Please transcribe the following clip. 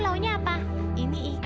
aku akan pel minerals